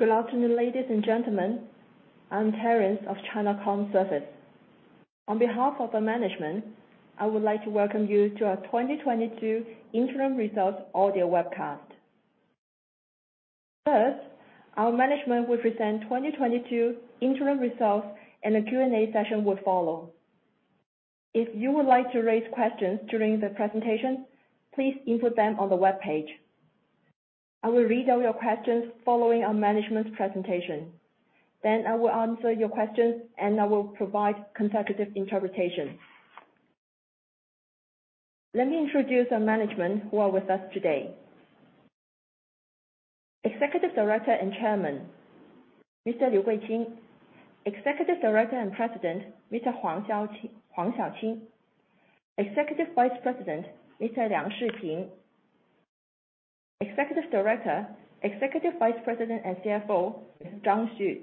Good afternoon, ladies and gentlemen. I'm Terence of China Communications Services. On behalf of our management, I would like to welcome you to our 2022 interim results audio webcast. First, our management will present 2022 interim results and a Q&A session will follow. If you would like to raise questions during the presentation, please input them on the webpage. I will read all your questions following our management's presentation. I will answer your questions, and I will provide consecutive interpretation. Let me introduce our management who are with us today. Executive Director and Chairman, Mr. Liu Guiqing. Executive Director and President, Mr. Huang Xiaoqing. Executive Vice President, Mr. Liang Shiping. Executive Director, Executive Vice President and CFO, Ms. Zhang Xu.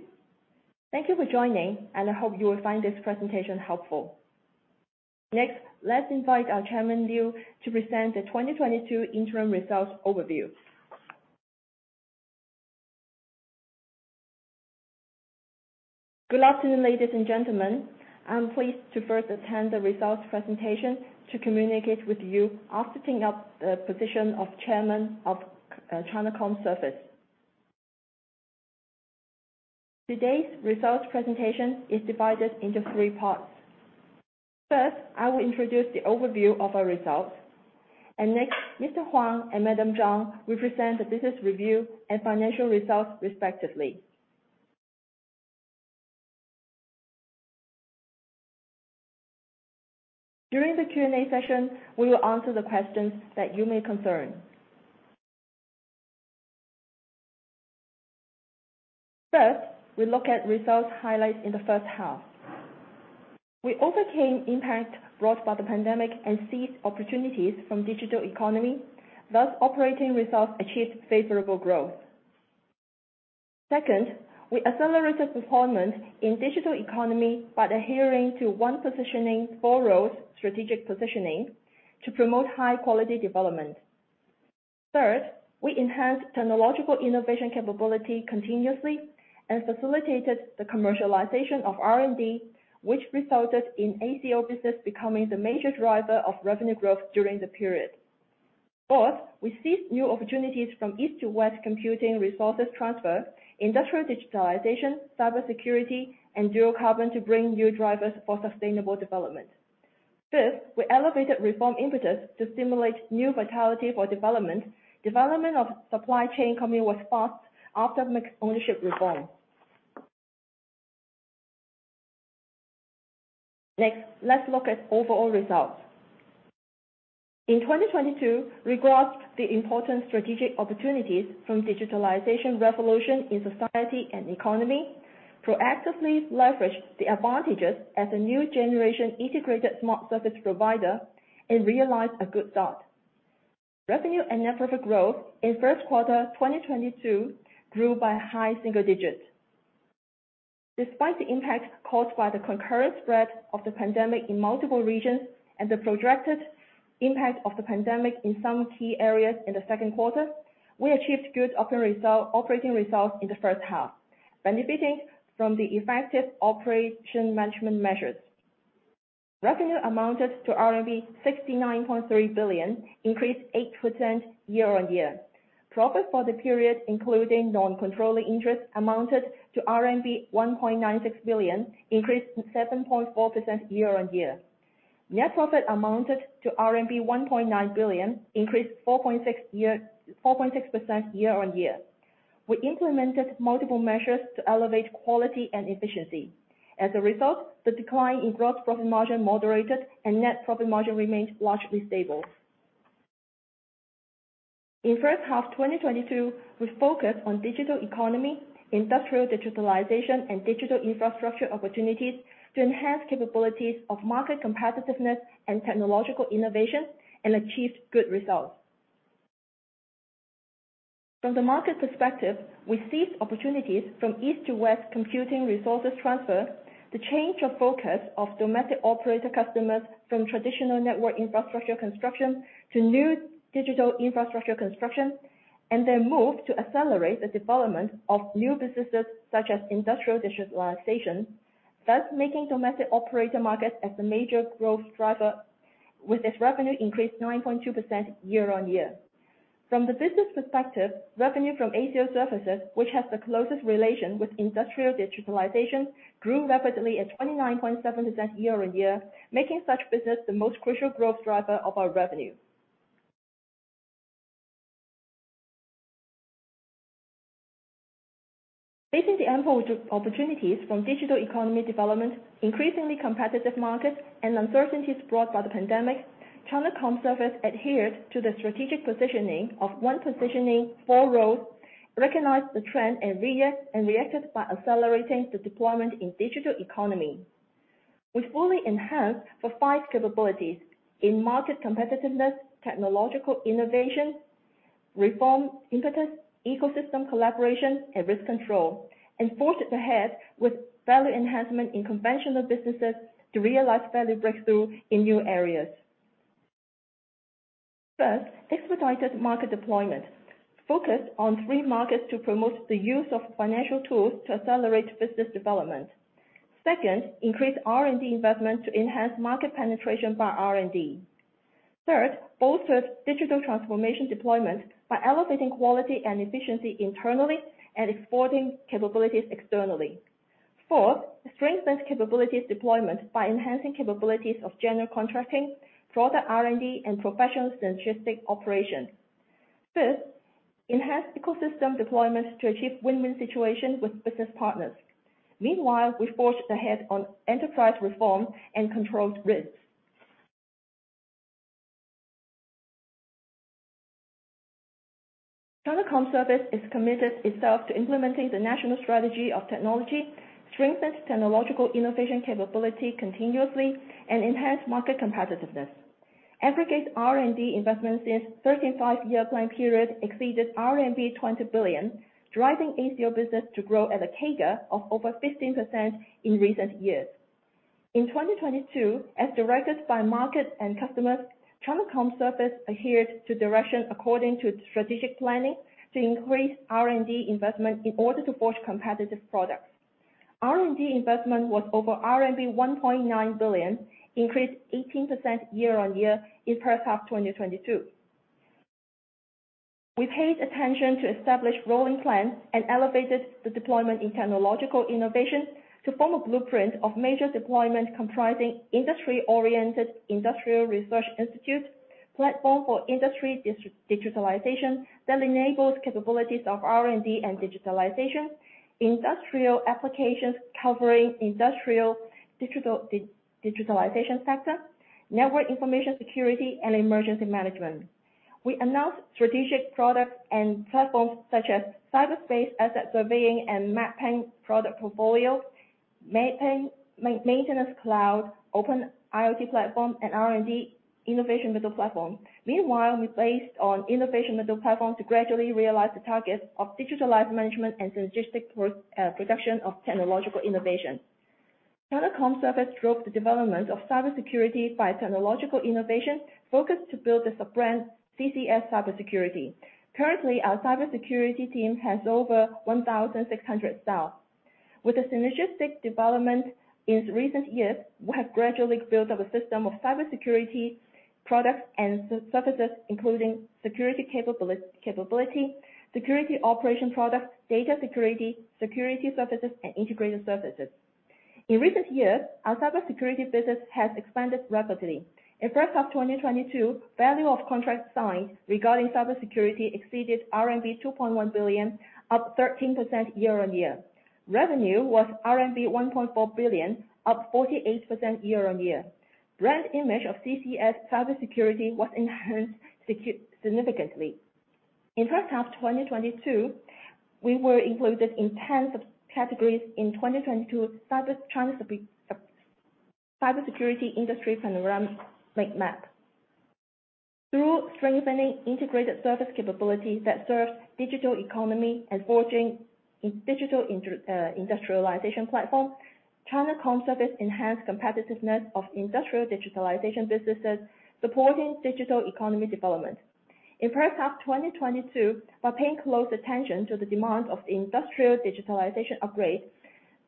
Thank you for joining, and I hope you will find this presentation helpful. Next, let's invite our Chairman Liu to present the 2022 interim results overview. Good afternoon, ladies and gentlemen. I'm pleased to first attend the results presentation to communicate with you after taking up the position of Chairman of China Communications Services. Today's results presentation is divided into three parts. First, I will introduce the overview of our results. Next, Mr. Huang and Madam Zhang will present the business review and financial results respectively. During the Q&A session, we will answer the questions that you may concern. First, we look at results highlights in the first half. We overcame impact brought by the pandemic and seized opportunities from digital economy, thus operating results achieved favorable growth. Second, we accelerated performance in digital economy by adhering to one positioning, four roles, strategic positioning to promote high-quality development. Third, we enhanced technological innovation capability continuously and facilitated the commercialization of R&D, which resulted in ACO business becoming the major driver of revenue growth during the period. Fourth, we seized new opportunities from East-to-West Computing Resources Transfer, industrial digitalization, cybersecurity, and dual carbon to bring new drivers for sustainable development. Fifth, we elevated reform impetus to stimulate new vitality for development. Development of supply chain company was fast after mixed-ownership reform. Next, let's look at overall results. In 2022, we grasped the important strategic opportunities from digitalization revolution in society and economy, proactively leveraged the advantages as a new generation integrated smart service provider and realized a good start. Revenue and net profit growth in first quarter 2022 grew by high single digits%. Despite the impact caused by the concurrent spread of the pandemic in multiple regions and the projected impact of the pandemic in some key areas in the second quarter, we achieved good operating results in the first half, benefiting from the effective operation management measures. Revenue amounted to RMB 69.3 billion, increased 8% year-on-year. Profit for the period including non-controlling interest amounted to RMB 1.96 billion, increased 7.4% year-on-year. Net profit amounted to RMB 1.9 billion, increased 4.6% year-on-year. We implemented multiple measures to elevate quality and efficiency. As a result, the decline in gross profit margin moderated and net profit margin remained largely stable. In first half 2022, we focused on digital economy, industrial digitalization, and digital infrastructure opportunities to enhance capabilities of market competitiveness and technological innovation and achieved good results. From the market perspective, we seized opportunities from East-to-West Computing Resources Transfer, the change of focus of domestic operator customers from traditional network infrastructure construction to new digital infrastructure construction, and then moved to accelerate the development of new businesses such as industrial digitalization, thus making domestic operator market as the major growth driver with its revenue increase 9.2% year-over-year. From the business perspective, revenue from ACO services, which has the closest relation with industrial digitalization, grew rapidly at 29.7% year-over-year, making such business the most crucial growth driver of our revenue. Facing the ample opportunities from digital economy development, increasingly competitive markets, and uncertainties brought by the pandemic, China Communications Services adhered to the strategic positioning of one positioning, four roles, recognized the trend and reacted by accelerating the deployment in digital economy. We fully enhanced the five capabilities in market competitiveness, technological innovation, reform impetus, ecosystem collaboration, and risk control, and forged ahead with value enhancement in conventional businesses to realize value breakthrough in new areas. First, expedited market deployment. Focus on three markets to promote the use of financial tools to accelerate business development. Second, increase R&D investment to enhance market penetration by R&D. Third, bolster digital transformation deployment by elevating quality and efficiency internally and exporting capabilities externally. Fourth, strengthen capabilities deployment by enhancing capabilities of general contracting, broader R&D, and professional synergistic operation. Fifth, enhance ecosystem deployment to achieve win-win situation with business partners. Meanwhile, we forge ahead on enterprise reform and controlled risks. China Communications Services is committed itself to implementing the national strategy of technology, strengthen technological innovation capability continuously, and enhance market competitiveness. Aggregate R&D investments in 13th Five-Year Plan period exceeded RMB 20 billion, driving ACO business to grow at a CAGR of over 15% in recent years. In 2022, as directed by market and customers, China Communications Services adhered to direction according to strategic planning to increase R&D investment in order to forge competitive products. R&D investment was over RMB 1.9 billion, increased 18% year-on-year in first half 2022. We paid attention to establish rolling plans and elevated the deployment in technological innovation to form a blueprint of major deployment comprising industry-oriented industrial research institute, platform for industry digitalization that enables capabilities of R&D and digitalization, industrial applications covering industrial digital digitalization sector, network information security, and emergency management. We announced strategic products and platforms such as Cyberspace Asset Surveying and Mapping Product Portfolio, Maintenance Cloud, open IoT platform, and R&D Innovation Middle Platform. Meanwhile, we placed on innovation middle platform to gradually realize the targets of digitalized management and synergistic work, production of technological innovation. China Communications Services drove the development of cybersecurity by technological innovation focused to build the sub-brand CCS Cybersecurity. Currently, our cybersecurity team has over 1,600 staff. With the synergistic development in recent years, we have gradually built up a system of cybersecurity products and services, including security capability, security operation products, data security services, and integrated services. In recent years, our cybersecurity business has expanded rapidly. In first half 2022, value of contract signed regarding cybersecurity exceeded RMB 2.1 billion, up 13% year-on-year. Revenue was RMB 1.4 billion, up 48% year-on-year. Brand image of CCS Cybersecurity was enhanced significantly. In first half 2022, we were included in 10 sub-categories in 2022 Cyber China cybersecurity industry panorama landscape map. Through strengthening integrated service capabilities that serves digital economy and forging digital industrialization platform, China Communications Services enhanced competitiveness of industrial digitalization businesses, supporting digital economy development. In first half 2022, by paying close attention to the demand of the industrial digitalization upgrade,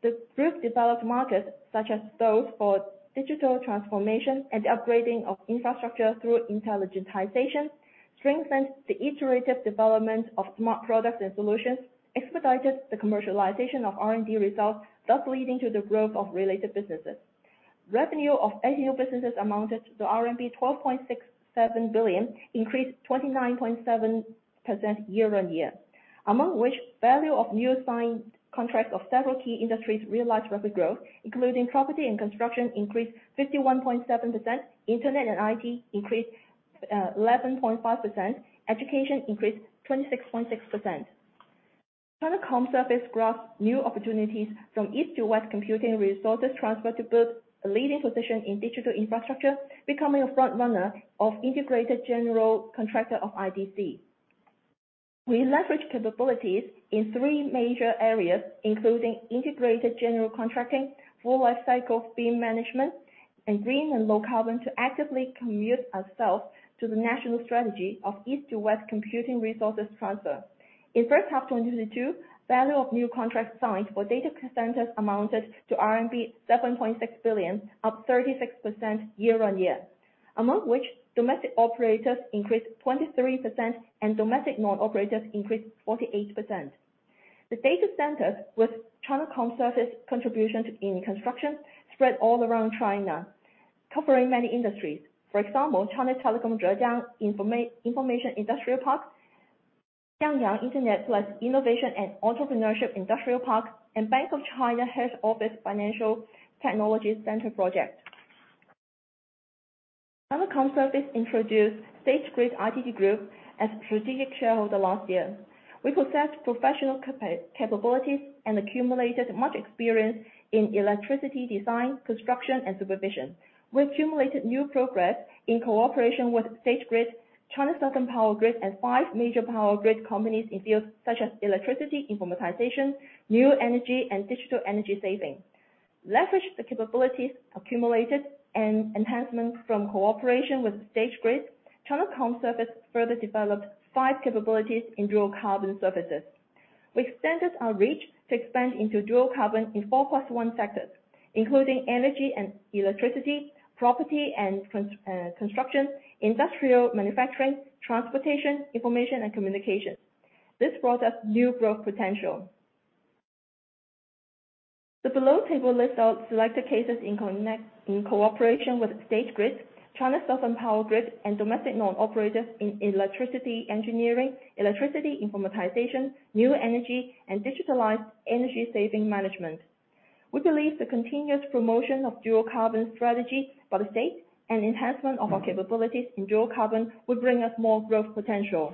the group developed markets such as those for digital transformation and upgrading of infrastructure through intelligentization, strengthened the iterative development of smart products and solutions, expedited the commercialization of R&D results, thus leading to the growth of related businesses. Revenue of ACO businesses amounted to RMB 12.67 billion, increased 29.7% year-on-year. Among which value of new signed contracts of several key industries realized rapid growth, including property and construction increased 51.7%, internet and IT increased eleven point five percent, education increased 26.6%. China Communications Services grasped new opportunities from East-to-West Computing Resources Transfer to build a leading position in digital infrastructure, becoming a front runner of integrated general contractor of IDC. We leverage capabilities in three major areas, including integrated general contracting, Full Life Cycle BIM management, and green and low carbon to actively commit ourselves to the national strategy of East-to-West Computing Resources Transfer. In first half 2022, value of new contracts signed for data centers amounted to RMB 7.6 billion, up 36% year-on-year. Among which domestic operators increased 23% and domestic non-operators increased 48%. The data centers with China Communications Services contributions in construction spread all around China, covering many industries. For example, China Telecom Zhejiang Information Industrial Park, Guiyang Internet Plus Innovation and Entrepreneurship Industrial Park, and Bank of China Head Office Financial Technology Center project. China Communications Services introduced State Grid Information & Telecommunication Technology Group as strategic shareholder last year. We possess professional capabilities and accumulated much experience in electricity design, construction, and supervision. We accumulated new progress in cooperation with State Grid, China Southern Power Grid, and five major power grid companies in fields such as electricity informatization, new energy, and digital energy saving. Leverage the capabilities accumulated and enhancements from cooperation with State Grid, China Communications Services further developed five capabilities in dual carbon services. We extended our reach to expand into dual carbon in four plus one sectors, including energy and electricity, property and construction, industrial manufacturing, transportation, information, and communication. This brought us new growth potential. The below table lists out selected cases in cooperation with State Grid, China Southern Power Grid, and domestic non-operators in electricity engineering, electricity informatization, new energy, and digitalized energy saving management. We believe the continuous promotion of dual carbon strategy by the state and enhancement of our capabilities in dual carbon will bring us more growth potential.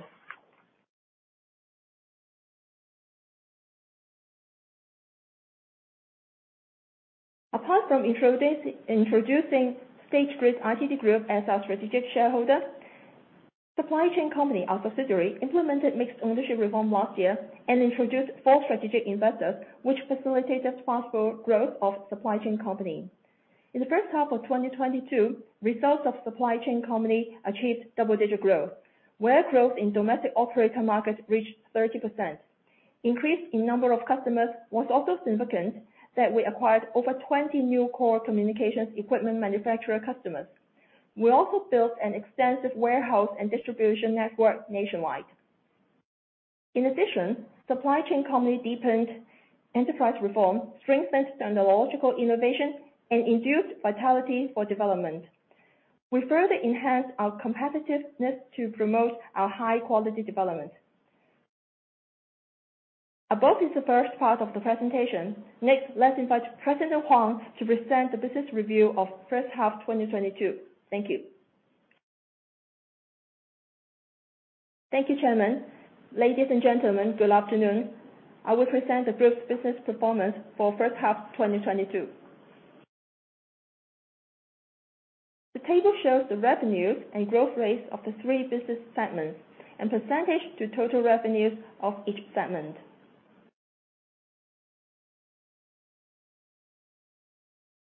Apart from introducing State Grid Information & Telecommunication Technology Group Co., Ltd. as our strategic shareholder, China Comservice Supply Chain Management Company Ltd., our subsidiary, implemented mixed-ownership reform last year and introduced four strategic investors, which facilitated faster growth of China Comservice Supply Chain Management Company Ltd. In the first half of 2022, results of China Comservice Supply Chain Management Company Ltd. achieved double-digit growth, where growth in domestic operator markets reached 30%. Increase in number of customers was also significant that we acquired over 20 new core communications equipment manufacturer customers. We also built an extensive warehouse and distribution network nationwide. In addition, China Comservice Supply Chain Management Company Ltd. deepened enterprise reform, strengthened technological innovation, and induced vitality for development. We further enhanced our competitiveness to promote our high-quality development. Above is the first part of the presentation. Next, let's invite President Huang Xiaoqing to present the business review of first half 2022. Thank you. Thank you, Chairman. Ladies and gentlemen, good afternoon. I will present the group's business performance for first half 2022. The table shows the revenue and growth rates of the three business segments and percentage of total revenues of each segment.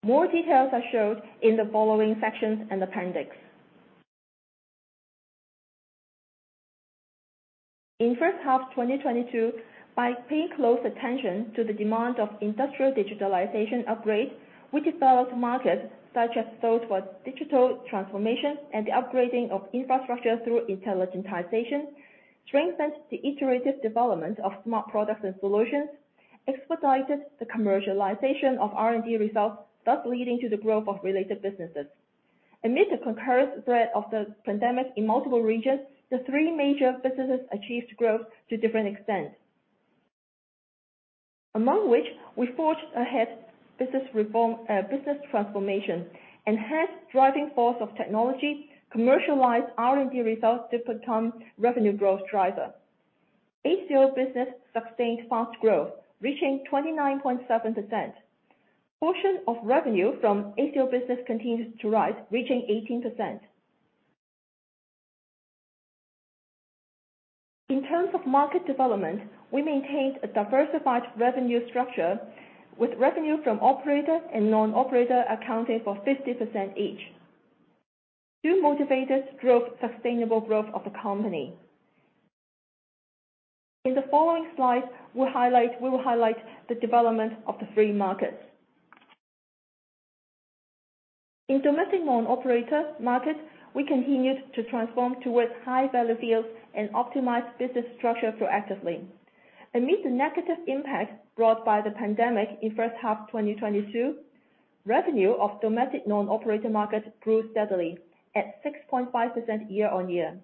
More details are shown in the following sections and appendix. In first half 2022, by paying close attention to the demand of industrial digitalization upgrades, we developed markets such as those for digital transformation and the upgrading of infrastructure through intelligentization, strengthened the iterative development of smart products and solutions, expedited the commercialization of R&D results, thus leading to the growth of related businesses. Amid the concurrent threat of the pandemic in multiple regions, the three major businesses achieved growth to different extents. Among which, we forged ahead business reform, business transformation, enhanced driving force of technology, commercialized R&D results to become revenue growth driver. ACO business sustained fast growth, reaching 29.7%. Portion of revenue from ACO business continued to rise, reaching 18%. In terms of market development, we maintained a diversified revenue structure with revenue from operator and non-operator accounting for 50% each. Two motivators drove sustainable growth of the company. In the following slide, we will highlight the development of the three markets. In domestic non-operator market, we continued to transform towards high-value deals and optimize business structure proactively. Amid the negative impact brought by the pandemic in first half 2022, revenue of domestic non-operator market grew steadily at 6.5% year-on-year.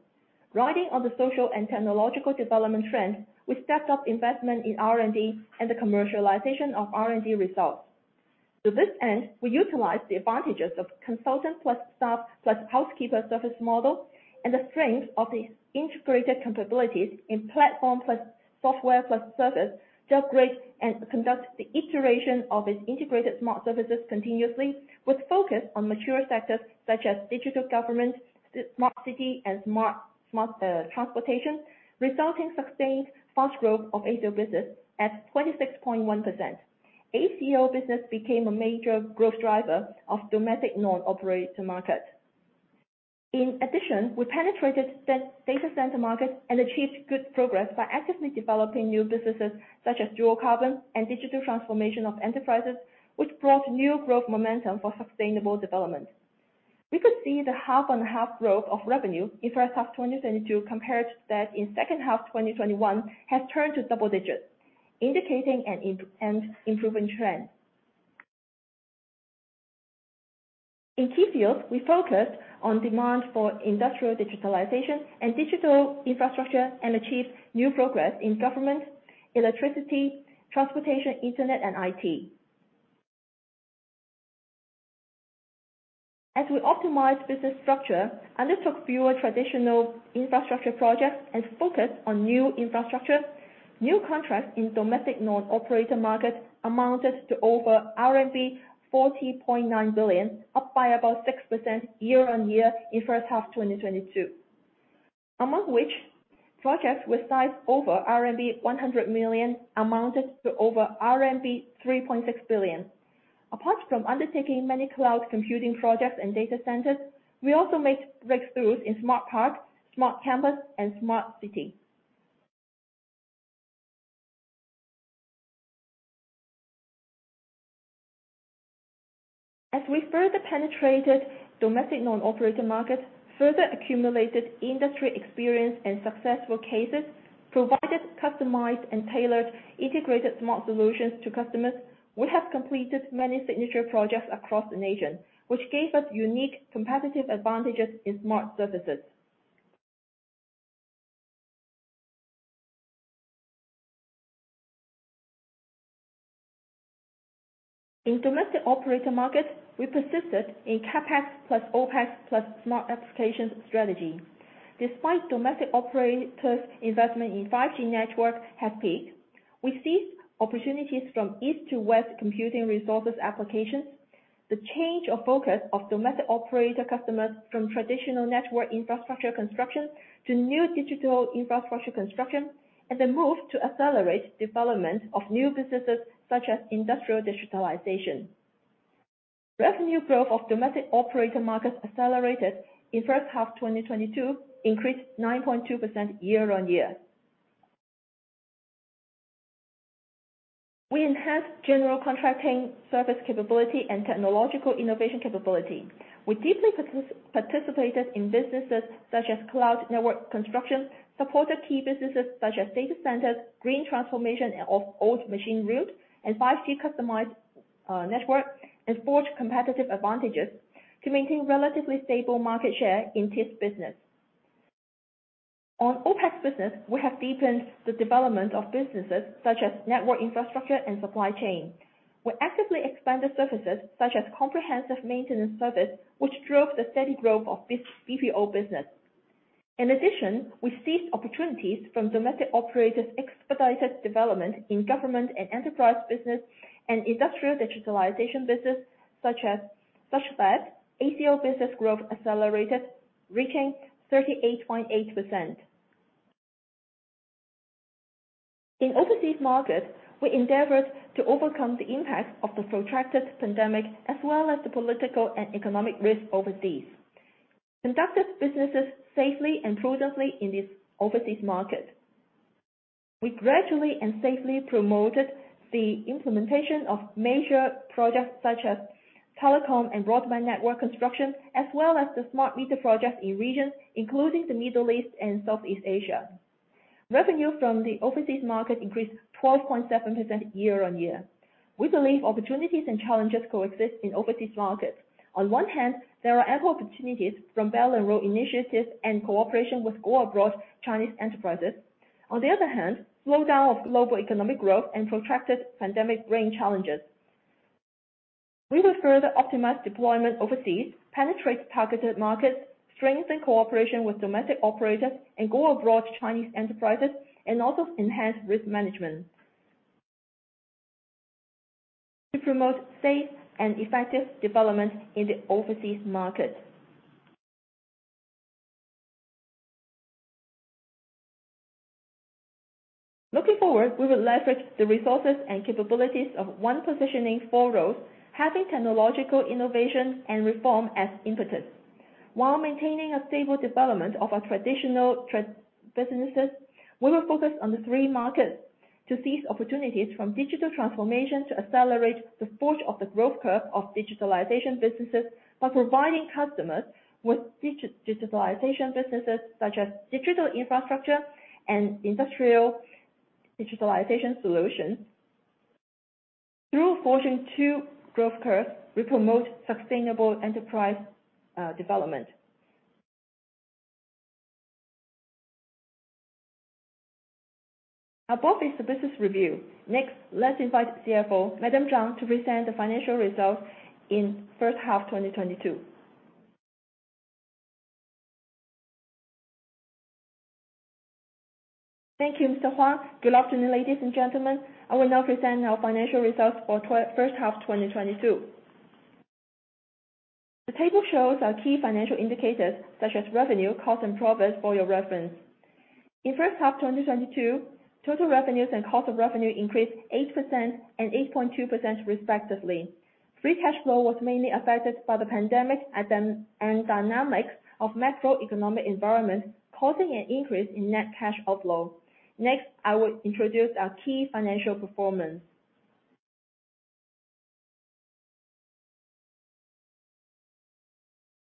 Riding on the social and technological development trend, we stepped up investment in R&D and the commercialization of R&D results. To this end, we utilized the advantages of consultant plus staff plus housekeeper service model and the strength of the integrated capabilities in platform plus software plus service to upgrade and conduct the iteration of its integrated smart services continuously with focus on mature sectors such as digital government, smart city, and smart transportation, resulting sustained fast growth of ACO business at 26.1%. ACO business became a major growth driver of domestic non-operator market. In addition, we penetrated data center market and achieved good progress by actively developing new businesses such as dual carbon and digital transformation of enterprises, which brought new growth momentum for sustainable development. We could see the half-on-half growth of revenue in first half 2022 compared to that in second half 2021 has turned to double digits, indicating an improving trend. In key fields, we focused on demand for industrial digitalization and digital infrastructure and achieved new progress in government, electricity, transportation, internet, and IT. As we optimize business structure, undertook fewer traditional infrastructure projects, and focused on new infrastructure, new contracts in domestic non-operator market amounted to over RMB 40.9 billion, up by about 6% year-on-year in first half 2022. Among which projects were sized over RMB 100 million amounted to over RMB 3.6 billion. Apart from undertaking many cloud computing projects and data centers, we also make breakthroughs in smart parks, smart campus and smart city. As we further penetrated domestic non-operator markets, further accumulated industry experience and successful cases, provided customized and tailored integrated smart solutions to customers. We have completed many signature projects across the nation, which gave us unique competitive advantages in smart services. In domestic operator markets, we persisted in CapEx plus OpEx plus smart applications strategy. Despite domestic operators investment in 5G network have peaked, we seized opportunities from East-to-West Computing Resources Transfer applications. The change of focus of domestic operator customers from traditional network infrastructure construction to new digital infrastructure construction, and the move to accelerate development of new businesses such as industrial digitalization. Revenue growth of domestic operator markets accelerated in first half 2022, increased 9.2% year-on-year. We enhanced general contracting service capability and technological innovation capability. We deeply participated in businesses such as cloud network construction, supported key businesses such as data centers, green transformation of old machine room, and 5G customized network. Forged competitive advantages to maintain relatively stable market share in TIS business. On OpEx business, we have deepened the development of businesses such as network infrastructure and supply chain. We actively expanded services such as comprehensive maintenance service, which drove the steady growth of BPO business. In addition, we seized opportunities from domestic operators' expedited development in government and enterprise business and industrial digitalization business such as ACO. Business growth accelerated, reaching 38.8%. In overseas markets, we endeavored to overcome the impact of the protracted pandemic, as well as the political and economic risk overseas. Conducted businesses safely and prudently in the overseas market. We gradually and safely promoted the implementation of major projects such as telecom and broadband network construction, as well as the smart meter projects in regions including the Middle East and Southeast Asia. Revenue from the overseas market increased 12.7% year-on-year. We believe opportunities and challenges coexist in overseas markets. On one hand, there are ample opportunities from Belt and Road Initiative and cooperation with Go Abroad Chinese enterprises. On the other hand, slowdown of global economic growth and protracted pandemic bring challenges. We will further optimize deployment overseas, penetrate targeted markets, strengthen cooperation with domestic operators and Go Abroad Chinese enterprises, and also enhance risk management to promote safe and effective development in the overseas market. Looking forward, we will leverage the resources and capabilities of one positioning, four roles, having technological innovation and reform as impetus. While maintaining a stable development of our traditional businesses, we will focus on the three markets to seize opportunities from digital transformation to accelerate the forging of the growth curve of digitalization businesses by providing customers with digitalization businesses such as digital infrastructure and industrial digitalization solutions. Through forging two growth curves, we promote sustainable enterprise development. Above is the business review. Next, let's invite CFO, Madam Zhang Xu, to present the financial results in first half 2022. Thank you, Mr. Huang Xiaoqing. Good afternoon, ladies and gentlemen. I will now present our financial results for first half 2022. The table shows our key financial indicators such as revenue, cost and profits for your reference. In first half 2022, total revenues and cost of revenue increased 8% and 8.2% respectively. Free cash flow was mainly affected by the pandemic and dynamics of macroeconomic environment, causing an increase in net cash outflow. Next, I will introduce our key financial performance.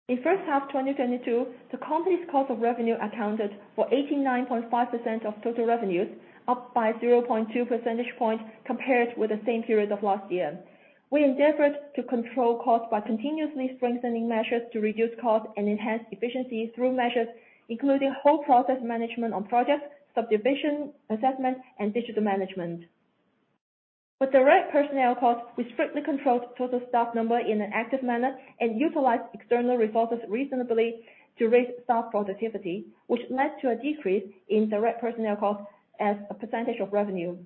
In first half 2022, the company's cost of revenue accounted for 89.5% of total revenues, up by 0.2 percentage points compared with the same period of last year. We endeavored to control costs by continuously strengthening measures to reduce costs and enhance efficiency through measures, including whole process management on projects, subdivision assessment, and digital management. With direct personnel costs, we strictly controlled total staff number in an active manner and utilized external resources reasonably to raise staff productivity, which led to a decrease in direct personnel costs as a percentage of revenue.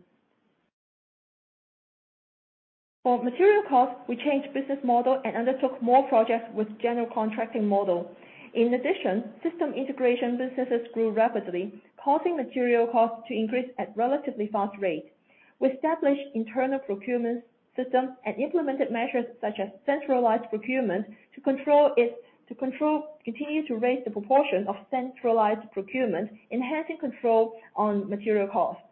For material costs, we changed business model and undertook more projects with general contracting model. In addition, system integration businesses grew rapidly, causing material costs to increase at relatively fast rate. We established internal procurement system and implemented measures such as centralized procurement to control it, continue to raise the proportion of centralized procurement, enhancing control on material costs.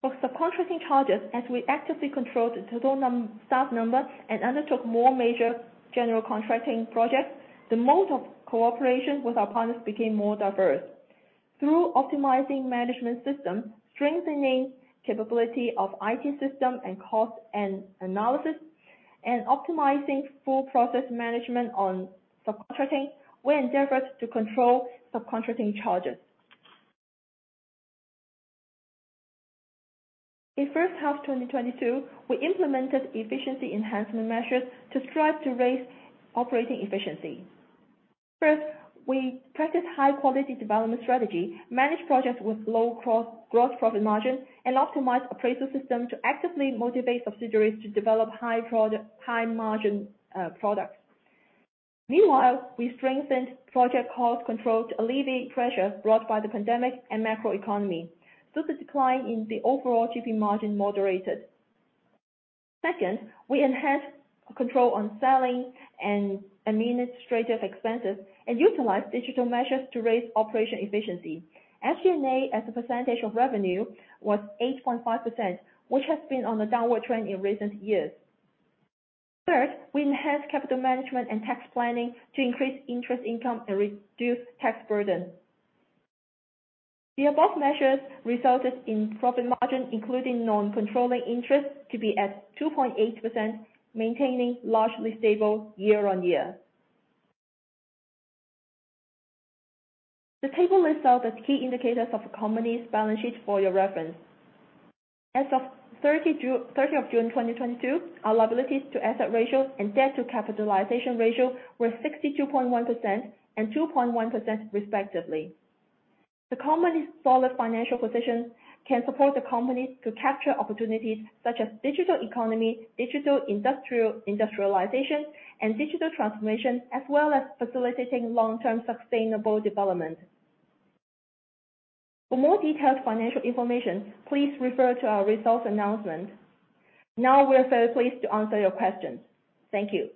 For subcontracting charges, as we actively control the total staff number and undertook more major general contracting projects, the mode of cooperation with our partners became more diverse. Through optimizing management system, strengthening capability of IT system and cost and analysis, and optimizing full process management on subcontracting, we endeavored to control subcontracting charges. In first half 2022, we implemented efficiency enhancement measures to strive to raise operating efficiency. First, we practiced high quality development strategy, managed projects with low gross profit margin, and optimized appraisal system to actively motivate subsidiaries to develop high margin products. Meanwhile, we strengthened project cost control to alleviate pressure brought by the pandemic and macroeconomy. The decline in the overall GP margin moderated. Second, we enhanced control on selling and administrative expenses and utilized digital measures to raise operation efficiency. SG&A as a percentage of revenue was 8.5%, which has been on the downward trend in recent years. Third, we enhanced capital management and tax planning to increase interest income and reduce tax burden. The above measures resulted in profit margin, including non-controlling interest, to be at 2.8%, maintaining largely stable year-on-year. The table lists out the key indicators of the company's balance sheet for your reference. As of 30th June 2022, our liabilities to asset ratio and debt to capitalization ratio were 62.1% and 2.1% respectively. The company's solid financial position can support the company to capture opportunities such as digital economy, digital industrial industrialization, and digital transformation, as well as facilitating long-term sustainable development. For more detailed financial information, please refer to our results announcement. Now we are very pleased to answer your questions. Thank you.